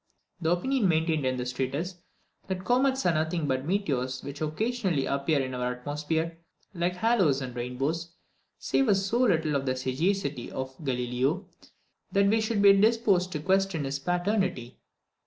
The opinion maintained in this treatise, that comets are nothing but meteors which occasionally appear in our atmosphere, like halos and rainbows, savours so little of the sagacity of Galileo that we should be disposed to question its paternity.